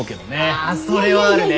あそれはあるね。